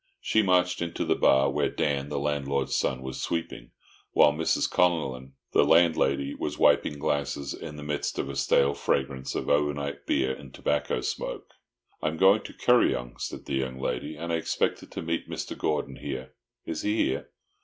She marched into the bar, where Dan, the landlord's son, was sweeping, while Mrs. Connellan, the landlady, was wiping glasses in the midst of a stale fragrance of overnight beer and tobacco smoke. "I am going to Kuryong," said the young lady, "and I expected to meet Mr. Gordon here. Is he here?"